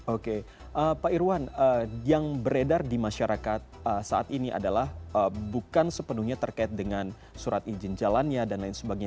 oke pak irwan yang beredar di masyarakat saat ini adalah bukan sepenuhnya terkait dengan surat izin jalannya dan lain sebagainya